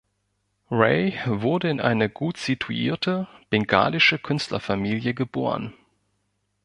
Ray wurde in eine gutsituierte bengalische Künstlerfamilie geboren.